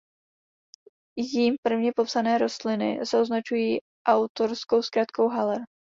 Jím prvně popsané rostliny se označují autorskou zkratkou „Haller“.